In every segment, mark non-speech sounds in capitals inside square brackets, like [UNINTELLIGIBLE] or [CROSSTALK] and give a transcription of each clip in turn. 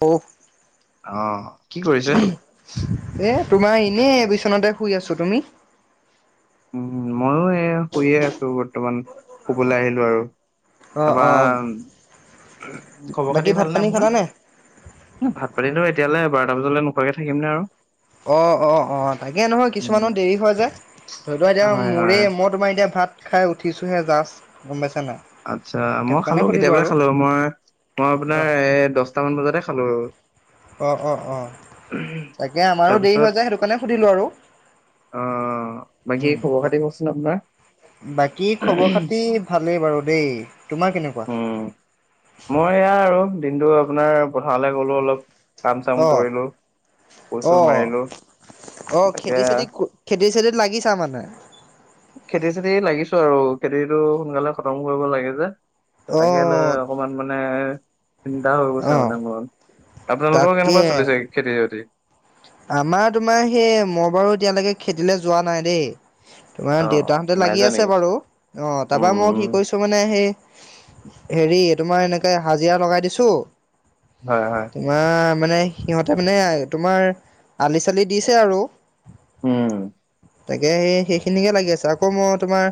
অ অহ কি কৰিছে? এ তোমাৰ এনে এবিচনাতে শুই আছো তুমি উম ময়ো এই শুইয়ে আছো বৰ্তমান শুবলে আহিলো আৰু অ তাৰপা অ খবৰ বাকী খাতি ভাত ভালনে পানী আপোনাৰ খালানে? ভাত পানীতো এতিয়ালে বাৰটা বজালে নোখোৱাকে থাকিম নে বাও অ অ অ তাকে নহয় কিছুমানৰ দেৰি হয় যে ধৰি লোৱা এতিয়া হয় মোৰে হয় মই তোমাৰ এতিয়া ভাত খাই উঠিছোহে জাষ্ট গম পাইছ নাই আচ্ছা মই সেইটো খালো কাৰণে সুধিলোঁ কেতিয়াবাই আৰু খালো মই মই অ আপোনাৰ এ দছটামান বজাতে খালো অহ অহ অহ তাকে আমাৰো দেৰি তাৰপিছত হয় যে সেইটো কাৰণে সুধিলোঁ আৰু অ বাকী উম খবৰ খাতি কওকচোন আপোনাৰ? বাকী খবৰ খাতি ভালেই বাৰু দেই তোমাৰ কেনেকুৱা উম মই এয়া আৰু দিনটো আপোনাৰ পথাৰলে গলো অলপ কাম চাম অ কৰিলো কোৰ অ চোৰ মাৰিলো অ তাকে খেতি চেতি খেতি চেতিত লাগিছা মানে খেতি চেতি লাগিছো আৰু খেতিটো সোনকালে খতম কৰিব লাগে যে অ তাকে লৈ অকমান মানে। চিন্তা হৈ অ গৈছে মানে মোৰ আপোনালোকৰ কেনেকুৱা তাকে চলিছে খেতি বাতি? আমাৰ তোমাৰ সেই মই বাৰু এতিয়ালৈকে খেতিলৈ যোৱা নাই দেই। অ তোমাৰ দেউতাহঁতে নাই লাগি যোৱা আছে নেকি বাৰু অ উম তাৰপৰা মই উম কি কৰিছো মানে সেই,,, হেৰি তোমাৰ এনেকে হাজিৰা লগাই দিছোঁ। হয়ঁ হয়ঁ। ওআ মানে সিহঁতে মানে তোমাৰ আলি চালি দিছে আৰু। উমঁ। তাকে সেই সেইখিনিকে লাগি আছে আকৌ মই তোমাৰ।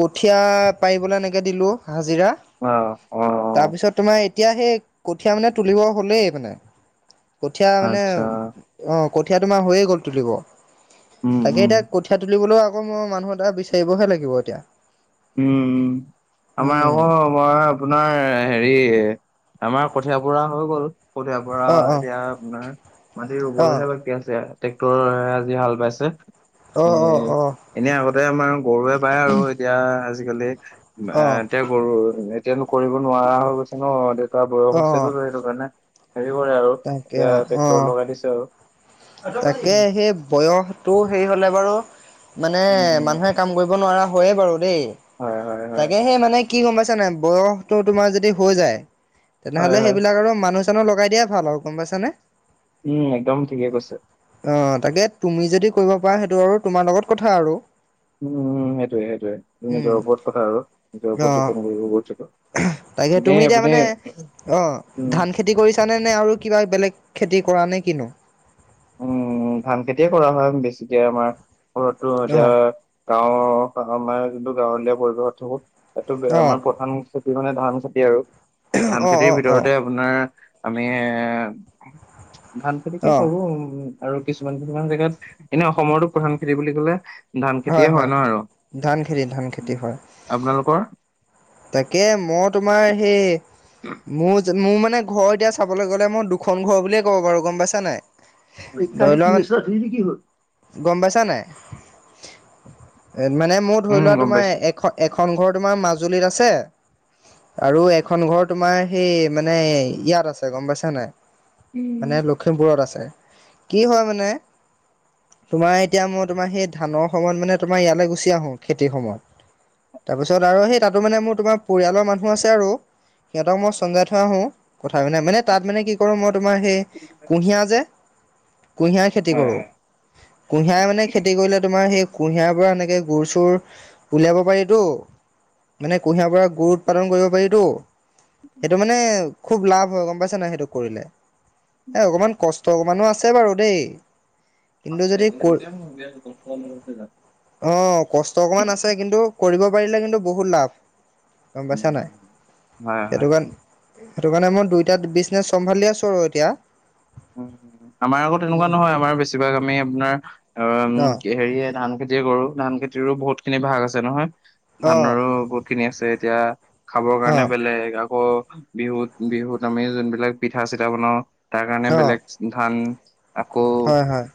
কঠীয়াা পাৰিবলৈ এনেকৈ দিলোঁ হাজিৰা। অঁ অঁ! তাৰপিছত তোমাৰ এতিয়া সেই কঠীয়া মানে তুলিব হ'লেই মানে। কঠীয়া মানে আচ্ছা অ কঠীয়া তোমাৰ হৈয়ে গ'ল তুলিব। উম তাকে উম এতিয়া কঠীয়া তুলিবলৈও আকৌ মই মানুহ এটা বিচাৰিবহে লাগিব এতিয়া। উমঁ আমাৰ উম আক মই আপোনাৰ হেৰি আমাৰ কঠিয় পৰা হৈ গ'ল। কঠিয়াৰ পৰা অ অ এতিয়া আপোনাৰ মাটি অ ৰুবলৈহে বাকি আছে। ট্ৰেক্টৰ আজি হাল বাইছে। অঁ অঁ অঁ! এনেই আগতে আমাৰ গৰুৱে বায় আৰু এতিয়া আজিকালি অ আ এতিয়া গৰু এতিয়ানো কৰিব নোৱাৰা হৈ গৈছে ন দেউতাৰ বয়স অ হৈছেতো সেইটো কাৰণে হেৰি কৰে আৰু। তাকে এতিয়া অ অ ট্ৰেক্টৰ লগাই দিছে আৰু। তাকে সেই বয়সতটো হেৰি হলে বাৰু মানে উম মানুহে,, কাম কৰিব নোৱাৰা হয়য়ে বাৰু দেই হয় হয় হয় তাকে সে মানে কি গম পাইছা নাই বয়স তো তোমাৰ যদি হৈ যায় হয় তেনেহ'লে হয় সেইবিলাক আৰু মানুহ চানুহ লগাই দিয়াই ভাল আৰু গম পাইছা নাই। উমঁ একদম ঠিকে কৈছে। অ তাকে তুমি যদি কৰিব পাৰা সেইটো আৰু তোমাৰ লগত কথা আৰু। উমঁ উমঁ সেইটোয়ে সেইটোয়ে ত উম নিজৰ ওপৰত কথা আৰু নিজৰ ওপৰত ডিপেণ্ড কৰিব গৈছে তো আহ তাকে তুমি এতিয়া মানে অ উম ধান খিনি খেতি কৰিছানে নে আৰু কিবা বেলেগ খেতি কৰা নে কিনো? উমঁ ধান খেতিয়ে কৰা হয় বেছিকে আমাৰ ঘৰতো অ এতিয়া গাঁৱৰ আমাৰ যোনটো গাঁৱলীয়া পৰিৱেশত থাকো তাটো অ আমাৰ প্ৰধান খেতি মানে ধান খেতি আৰু ধান অ', খেতিৰ অ', অ', ভিতৰতে,,, আপোনাৰ আমি ধান খেতিকে অ', কৰো আৰু আৰু কিছুমান কিছুমান জেগাত এনেও অসমৰো প্ৰধান খেতি বুলি কলে ধান খেতিয়ে হয় ন আৰু ধান খেতি, ধান খেতি হয়। আপোনালোকৰ? তাকে মই তোমাৰ সেই মোৰ মোৰ মানে ঘৰ এতিয়া চাবলৈ গ'লে মই দুখন ঘৰ বুলিয়ে ক'ব পাৰু গম পাইছা নাই। ধৰি ভিক্ষাৰিই লোৱা তিনিশৰ কি হ'ল। গম পাইছা নাই এ মানে মোৰ ধৰি উম লোৱা গম তোমাৰ পাইছো এখন এখন ঘৰ তোমাৰ মাজুলীত আছে। আৰু এখন ঘৰ তোমাৰ সেই মানে ইয়াত আছে গম পাইছা নাই। মানে লখিমপুৰত আছে কি হয় মানে। তোমাৰ এতিয়া মই তোমাৰ সেই ধানৰ সময়ত মানে তোমাৰ ইয়ালৈ গুচি আহো খেতিৰ সময়ত। তাৰপিছত আৰু সেই তাতো মানে মোৰ তোমাৰ পৰিয়ালৰ মানুহ আছে আৰু। সিহঁতক মই চমজাই থৈ আহো কথা মানে তাত মানে কি কৰো মই তোমাৰ সেই কুঁহিয়া যে কুঁহিয়াৰ খেতি হয় কৰো। হয় কুঁহিয়াই মানে খেতি কৰিলে তোমাৰ সেই কুঁহিয়াৰ পৰা এনেকে গুৰ চুৰ উলিয়াব পাৰিতো মানে কুঁহিয়াৰ পৰা গুৰ উৎপাদন কৰিব পাৰি তো সেইটো মানে খুব লাভ হয় গম পাইছা নাই সেইটো কৰিলে এই অকণমান কষ্ট অকমানো আছে বাৰু দেই কিন্তু যদি ক অ কষ্ট অকণমান আছে কিন্তু কৰিব পাৰিলে কিন্তু বহুত লাভ গম পাইছা নাই হয় হয় সেইটো কাৰণ সেইটো কাৰণে মই দুইটাত বিজনেচ চম্ভালি আছো আৰু এতিয়া উ আমাৰ আগত তেনেকুৱা নহয় আমাৰ বেছিভাগ আমি আপোনাৰ অ হেৰিয় ধান খেতিয়ে কৰো ধান খেতিৰো বহুত খিনি ভাগ আছে নহয়। অ', ধানৰো বহুত খিনি আছে এতিয়া খাবৰ কাৰণে অ', বেলেগ আকৌ বিহুত বিহুত আমি যোনবিলাক পিঠা চিঠা বনাওঁ কাৰণে অ', বেলেগ ধান আকৌ হয়, হয়,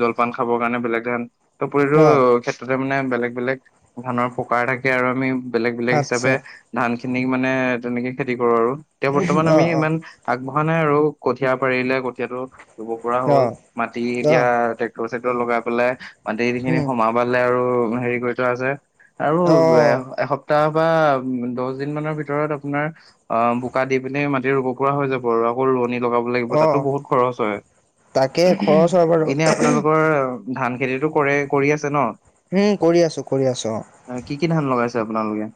জলপান খাবৰ কাৰণে বেলেগ ধান প্ৰতিটো অ', ক্ষেত্ৰতে মানে বেলেগ বেলেগ ধানৰ পকাৰ থাকে আৰু আমি বেলেগ বেলেগ হিচাপে আচ্ছা, ধান খিনিক মানে তেনেকে খেতি কৰো আৰু এতিয়া বৰ্তমান আমি অ', অ', ইমান আগবঢ়া নাই আৰু কঠিয়া পাৰিলে কঠিয়াটো ৰুব পৰা হ'ল অ', মাটি এতিয়া অ', চ চ লগাই পেলাই মাটিখিনি উম, সোমাব পালে আৰু হেৰি কৰি থোৱা আছে আৰু অ', এসপ্তাহ বা দহ দিন মানৰ ভিতৰত আপোনাৰ অ বোকা দি পিনে মাটি ৰুব পৰা হৈ যাব আৰু আকৌ ৰোৱনী লগাব লাগে তাতো অ', বহুত খৰচ হয় তাকে খৰচ হয় বাৰু এনে আপোনালোকৰ ধান খেতিটো কৰে কৰি আছে ন কৰি আছো কৰি আছো অ অ কি কি ধান লগাইছে আপোনালোকে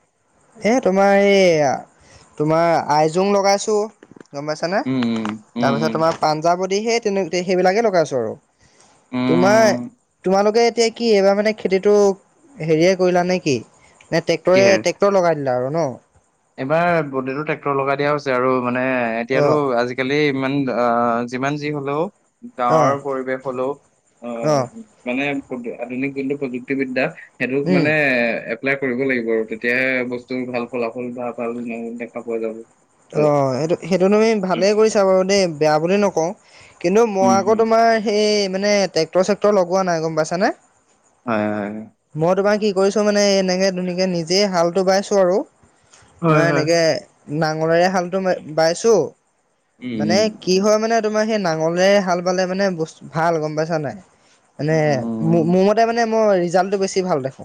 এই তোমাৰ এই তোমাৰ আইজোং লগাইছোঁ গম পাইচা নে উম উম উম তাৰপিছত উম তোমাৰ পাঞ্জাৱদী সেই তেনে সেইবিলাকেই লগাইছোঁ আৰু তোমাৰ উম তোমালোকে এতিয়া কি এইবাৰ মানে খেতিটো হেৰিয়ে কৰিলা নে কি নে ট্ৰেক্টৰে কিহেৰে ট্ৰেক্টৰ লগাই দিলা আৰু কনো এইবাৰ বোটতো ট্ৰেক্টৰ লগাই দিয়া হৈছে আৰু মানে এতিয়াতো অ', আজি আজিকালি ইমান অ যিমান যি হলেও অ', গাঁৱৰ পৰিৱেশ হলেও অ', আহ মানে আধুনিক যোনটো প্ৰযুক্তি বিদ্যা সেইটোক উম, মানে এ কৰিব লাগিব আৰু তেতিয়াহে বস্তুৰ ভাল ফলাফল বা ভাল ন দেখা পোৱা যাব অ ত এইটো সেইটো তুমি ভালে কৰিছা বাৰু দেই বেয়া বুলি নকওঁ কিন্তু মই উম আকৌ হম তোমাৰ সেই মানে টেক্টৰ চেক্টৰ লগোৱা নাই গম পাইছানে। হয় হয় মই তোমাৰ কি কৰিছো মানে এনেকে ধুনকে নিজেই হালটো বাইছোঁ আৰু হয় তোমাৰ হয় হয় এনেকে নাঙলেৰে হালতো বাইছো উম মানে উম কি হয় মানে তোমাৰ সেই নাঙলেৰে হাল বালে মানে ব ভাল গম পাইছা নাই মানে উম, উম। মোৰ মতে মানে মই ৰিজাল্টটো বেছি ভাল দেখো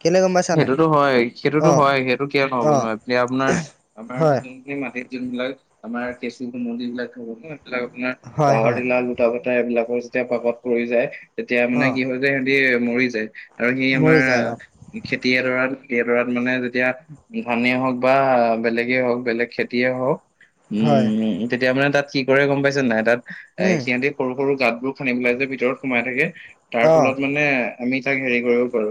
কেলে গম পাইছা নাই। সেইটোতো হয় সেইটোতো অ', হয় সেইটো কিয় নহ'ব অ', নোৱাৰ এ আপোনাৰ আমাৰ হয়, মাটিত যোনবিলাক আমাৰ কেঁচু নদী বিলাক হ'ব ন সেইবিলাক আপাৰ হয়, হয়, পাহাৰিলা কটা কত এইবিলাকৰ যেতিয়া পাকত পৰি যায় তেতিয়া মানে অ', কি হয় যোয় সিহঁতি মৰি যায় আৰু সেই মৰি যায় অ', আমাৰ খেতি এডৰাত এডৰাত মানে যেতিয়া। ধান হওক বা, বেলেগেই হওক বেলেগ খেতিয়ে হওক। হয়। উম, তেতিয়া মানে তাত কি কৰে গম পাইছে নাই তাত এ উম সিহঁতি। সৰু সৰু গাতবোৰ খান্দি পেলাই যে ভিতৰত সোমাই থাকে, তাৰ অহ ফলত মানে আমি তাক হেৰি কৰিব পাৰো।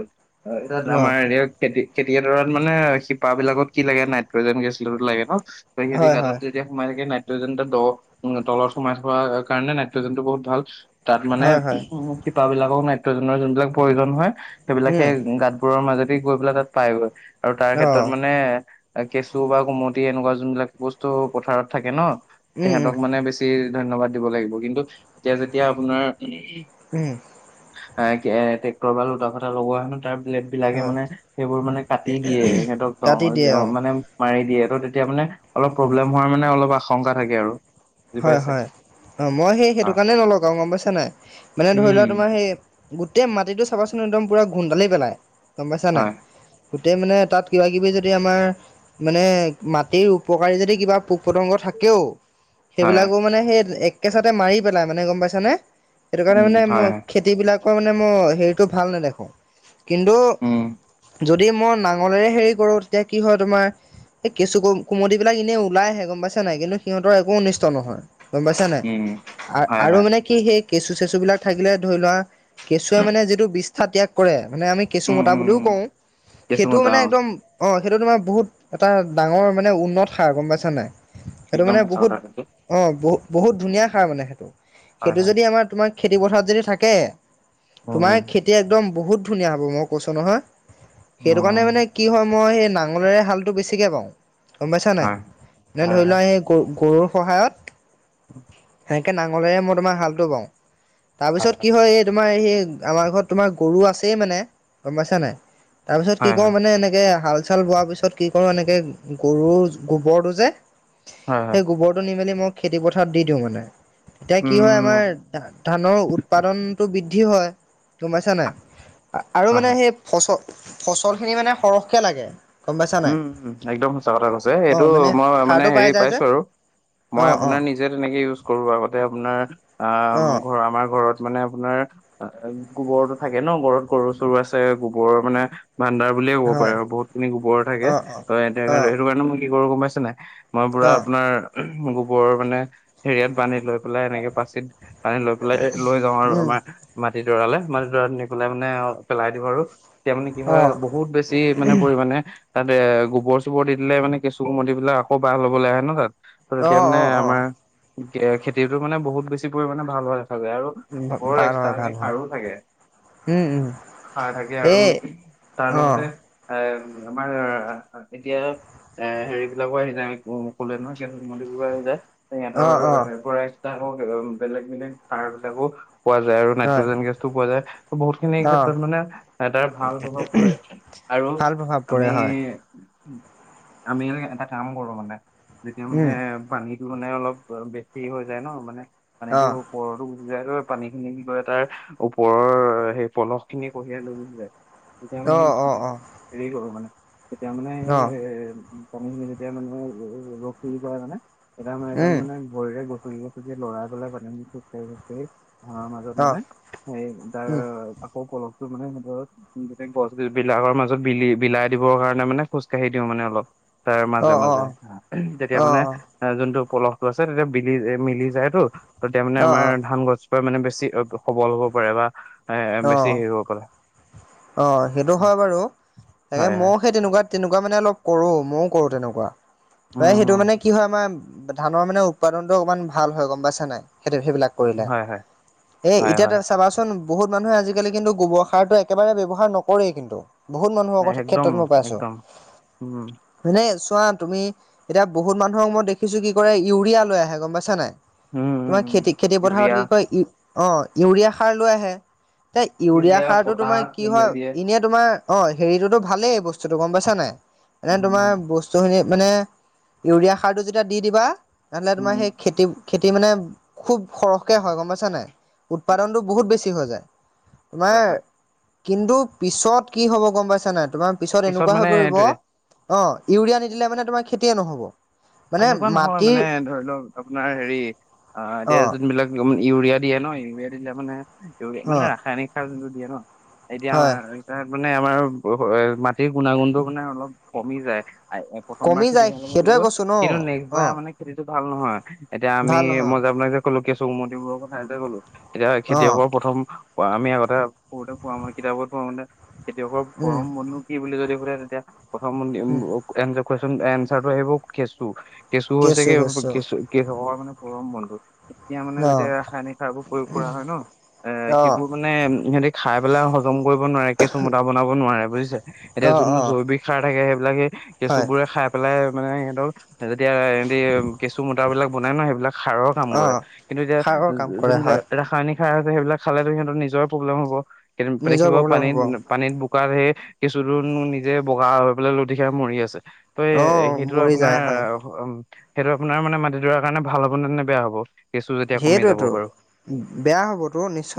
তত অহ আমাৰ। খেতি খেতিয়ডৰাত মানে শিপা বিলাকত কি লাগে নাইট্ৰজেন গেছ লাগে ন ত সহতি হয় গাতত। হয় যেতিয়া সোমাই থাকে নাইট্ৰজেন এটা দ তলত সোমাই থকা কাৰণে নাইট্ৰজেন টো বহুত ভাল। তাত মানে হয় হয় উম শিপাবলাকৰ নাইট্ৰজেনৰ যোনবিলাক প্ৰয়োজন হয় সেইবিলাকে উম গাত। কোৰৰ মাজতে গৈ পেলা তাত পাইগৈ আৰু তাৰ অহ ক্ষেত্ৰত মানে। [UNINTELLIGIBLE] কেঁচু বা কুমতি এনেকুৱা যোনবিলাক বস্তু পথাৰত থাকে ন, উম উম তেহঁতক মানে বেছি। ধন্যবাদ দিব লাগিব, কিন্তু এতিয়া যেতিয়া আপোনাৰ। উম। আহ ট্ৰেক্টৰ বা লুটা কটা লগোৱা হে নো তাৰ। সেইবিলাকে হয় মানে সেইবোৰ মানে কাটি দিয়ে, কাটি সিহঁতক দিয়ে অ মানে মাৰি দিয়ে ত তেতিয়া মানে। অলপ প্ৰব্লেম হোৱাৰ মানে অলপ আশংকা থাকে আৰু। বুজি হয় পাইছে হয়, অ' মই সেই সেইটো হয় কাৰণে নলওঁ আৰু গম পাইছা নাই মানে ধৰি লোৱা তোমাৰ উম সেই। গোটেই মাটিটো চাবাচোন একদম পুৰা গোন্দালি পেলাই গম পাইছা নাই। হয় গোটেই মানে তাত কিবা কিবি যদি আমাৰ। মানে মাটিৰ উপকাৰী যদি কিবা পোক পতংগ থাকে। হয় হয় সেইবিলাকো মানে সেই একেচাতে মাৰি পেলাই মানে গম পাইছ নে, সেইটো কাৰণে উম মানে হয় হয় খেতি বিলাক। মানে মই হেৰিটো ভাল নেদেখো, কিন্তু। উম যদি মই নাঙলেৰে হেৰি কৰোঁ তেতিয়া কি হয় তোমাৰ। এই কেচু - কুমুতি বিিলাক এনে ওলাই আহে গম পাইছে নাই কিন্তু সিহঁত একো। নহয় গম পাইছা নাই, উম হয় আৰু হয় মানে কি সেই কেঁচু চেচু বিলাক থাকিলে ধৰি লোৱা। কেঁচুৱে মানে যিটো বিষ্ঠা ত্যাগ কৰে, মানে আমি। উম কেঁচুমতা উম বুলিও উম কওঁ, সেইটোও কেঁচুমতা মানে অ একদম। অ' সেইটো তোমাৰ বহুত এটা ডাঙৰ মানে উন্নত সাৰ গম পাইছ নাই, সেইটো একদম মানে সঁচা কথা বহুত। কৈছে অঁ বহু বহুত ধুনীয়া সাৰ মানে সেইটো, হয় সেইটো হয় যদি আমাৰ তোমাৰ খেতিপথাৰত যদি থাকে। উম তোমাৰ উম খেতি একদম বহুত ধুনীয়া হব মই কৈছো নহয়, সেইটো কাৰণে উম, মানে। কি হয় মই সেই নাঙলেৰে হালতটো বেছিকে পাও গম পাইছা নাই, হয় এনে হয় ধৰি লোৱা হয় সেই। গৰুৰ সহায়ত। সেনেকে নাঙলেৰে মই তোমাৰ হালটো বাওঁ। তাৰপিছত কি হয় এই। তোমাৰ সেই আমাৰ ঘৰত তোমাৰ গৰু আছেই মানে গম পাইছা নাই। তাৰপিছত কি হয় কওঁ হয় মানে এনেকে হাল। াল ব পিছত কি কৰো এনেকে গৰু গৰটো যে হয় হয় স গ। [UNINTELLIGIBLE] খুলি মেলি মই খেতি পথাৰত দি দিওঁ মানে, এতিয়া কি হয় আমাৰ। উম ধানৰ উৎপাদনটো বৃদ্ধি হয়, গম পাইছা নাই আৰু হয় মানে হয় সেই। ফচল - ফচল খিনি মানে সৰহকে লাগে। গম পাইছা নাই? উম, একদম সঁচা কথা কৈছা, অ সেইটো মানে মই মানে সাৰটো হেৰি পাই যায় যে পাইছো আৰু। মই অ অ আপোনাৰ নিজে তেনেকে ইউজ কৰো, আগতে আপোনাৰ অ আমাৰ ঘৰত। মানে আপোনাৰ গোবৰতো থাকে ন, ঘৰত গৰু- চৰু আছে গোবৰ মানে। ভাণ্দাৰ বুলিয়ে ক'ব পাৰে হয় আৰু বহুখিনি গোবৰ থাকে, অ অ ত' অ সেইটো কাৰণে মই কি কৰো গম পাইছা নাই। মই পুৰা অ আপোনাৰ গোবৰৰ মানে হেৰিয়াত বান্ধি লৈ পেলাই এনেকে পাচিত। লৈ পেলাই লৈ যাওঁ আৰু উম আমাৰ মাটিডৰালে মাটিডৰাত নি পেলাই মানে পেলাই দিওঁ আৰু। তেতিয়া মানে কি অ হয়, বহুত বেছি মানে পৰিমণে। তাতে এ গোবৰ চোবৰ দি দিলে মানে কেঁচু কুমদ বিলাক আকৌ বাহ ল'ব লে আহে ন তাত। ত অ তেতিয়া মানে অ অ আমাৰ খেতিটো মানে বহুত বেছি পৰিমাণে ভাল হোৱা দেখা যায় আৰু- বৰ ভাল হয় এক্সট্ৰাকে ভাল হয় সাৰো থাকে। উম উম খাৰ থাকে আৰু এই তাৰ অ লগতে এ। আমাৰ এতিয়া। এ হেৰি বিলাকো আহি যায় কলে নহয় মন্দৰিবোৰ আহি যায়। সিহঁতৰ অ অ পৰাইক ষ্টাৰ বেলেগ বেলেগ সাৰ বিলাকো পোৱা যায় আৰু। হয় নাইট্ৰ'জন গেছ টো পোৱা যায়। বহুত খিনি অ ক্ষেত্ৰত মানে তাৰ ভাল প্ৰভাৱ পৰে আৰু ভাল প্ৰভাৱ পৰে হয় আমি- আমি এটা কাম কৰো মানে যেতিয়া মানে উম পানী- মানে অলপ বেছি হৈ যায় ন মানে অ পানীটো- ওপৰতো গুচি যায় ত পানী খিনি কি কৰে তাৰ- ওপৰৰ সেই পলস খিনি কঢ়িয়াই লৈ গোছি যায় তেতিয়া অ অ মানে- অ হেৰি কৰো মানে তেতিয়া মানে এই অ এ- উম [UNINTELLIGIBLE] ভৰিৰে গচকি গচকি লৰা গলে মানুুটুটেই গোটেই। অ মাজত অ মানে সেই তাৰ উম আকৌ কলো। মানে নিজৰ গোটেই গছ বি বিলাকৰ মাজত। ত বিলি বিলাই দিবৰ কাৰণে মানে খজকাঢ়ি দিওঁ মানে অলপ, তাৰ অ মাজে অ মাজে তেতিয়া অ অ মানে, যোনটো পলহ টো আছে তেতিয়া বিলি মিলি যায়তো তেতিয়া মানে অ আমাৰ অ ধান গছ- মানে বেছি সবল হ'ব পাৰে বা এ অ বেছি হেৰি হব পাৰে। অ সেইটো হয় বাৰু তাকে হয় হয়। মই সেই তেনেকুৱাত- তেনেকুৱা মানে অলপ কৰো মইও কৰো তেনেকুৱা প্ৰায় উম সেইটো মানে কি হয় আ- ধানৰ মানে উৎপাদনতটো অকমান ভাল হয় গম পাইছা নাই সেই সেইবিলাক- উম কৰিলে, হয় হয় এ হয় এতিয়া তই হয় চাবাচোন- চাবাচোন বহুত মানুহে আজিকালি কিন্তু গোবৰ সাৰটো একেবাৰে ব্যৱহাৰ নকৰেই কিন্তু, বহুত মানুহৰ নাই, একদম ক্ষেত্ৰত মই পাইছো। একদম উম হয়নে চোৱা তুমি এতিয়া বহুত মানুহক মই দেখিছো কি কৰে ইউৰিয়া লৈ আহে গম পাইছা নাই। উম উম তোমাৰ উম খেতি খেতি পথাৰত ইউৰিয়া কি কয় ইউ অ ইউৰিয়া সাৰ লৈ আহে। তে ইউৰিয়া সাৰতো তোমাৰ- পটাচ কি এইবিলাক হয় দিয়ে এনে তোমাৰ অ হেৰিতটোতো ভালেই বস্তুতটো গম পাইছা নাই এনে উম তোমাৰ উম বস্তু- স্তুখিনি মানে ইউৰিয়া সাৰটো যেতিয়া দি দিবা তেনহ'লে উম তোমাৰ সেই খেতি- খেতি মানে খুব সৰহকে হয় গম পাইছা নে নাই উৎপাদনটো বহুত বেছি হৈ যায়। তোমাৰ হয় হয় কিন্তু পিছত কি হব গম পাইছা নাই তোমাৰ পিছত এনেকুৱা মানে হৈ পৰিব। এইটোৱে অ ইউৰিয়া নিদিলে মানে তোমাৰ খেতিয়ে নহব। মানে তেনেকুৱা নহয় মাটিৰ মানে ধৰি লওক আপোনাৰ হেৰি অ এতিয়া যোনবিলাক- ইউৰিয়া দিয়ে ন ইউৰিয়া দিলে মানে ইউৰিয়া অ মানে ৰাসায়নিক সাৰ যোনটো দিয়ে ন। এতিয়া হয় আমাৰ- তাত মানে আমাৰ মাটিৰ গুণাগুণটো মানে অলপ কমি যায়। প্ৰথমবাৰ কমি খেতি যায় ভাল হ'ব সেইটোৱে কিন্তু কৈছো ন। কিন্তু নেক্সট অ বাৰ মানে খেতিতটো ভাল নহয় এতিয়া আমি ভাল নহয় মই যে মই যে- কলো কেঁচু উমতি বোৰৰ কথা যে ক'লো এতিয়া অ খেতিয়কৰ প্ৰথম- আমি আগতে সৰুতে পঢ়া শুনা কিতাপত পঢ়া মতে খেতিয়কৰ উম পৰম বন্ধু। কি বুলি যদি সুধে তেতিয়া প্ৰথম উম কুৱন এনচাৰটো আহিব কেচু। কেঁচু হৈছে কেছো কি কেছো কেঁচু কৃষকৰ মানে পৰম বন্ধু। তেতিয়া মানে অ যেতিয়া ৰাসায়নিক সাৰ বোৰ প্ৰয়োগ কৰা হয় ন এ অ সেইবোৰ মানে মানে সিহঁতি খাই পেলাই হজম কৰিব নোৱাৰে কেছু মতা বনাব নোৱাৰে বুজিছে এতিয়া অ যোনটো অ জৈৱ ৱিক সাৰ থাকে সেইবিলাকে সেই কেঁচু হয় বোৰে খাই পেলাই মানে সিহঁতক যেতিয়া এতি কেঁচু মতা বিলাক বনাই ন সেইবিলাক সাৰক কাম অ কৰে কিন্তু এতিয়া সাৰৰ কাম কৰে যোনবিলাক হয় ৰাসায়নিক সাৰ আছে সেইবিলাক খালেতো সিহঁতৰ নিজৰে প্ৰব্লেম হ'ব কেদিন পে নিজৰ দেখিব প্ৰব্লেম পানীত হ'ব পানীত বো- কাত সেই কিছুদোননো নিজে বগা হৈ পেলাই লোতি খাই মৰি আছে ত অ এ সেইটো মৰি যায় হয় অহ উম সেইটো আপোনাৰ মানে মাটিডৰাৰ কাৰণে ভাল হ'ব নে নে বেয়া হ'ব কেঁচু যেতিয়া কমি যাব সেইটয়েতো বাৰু বেয়া হ'বতো নিশ্চয়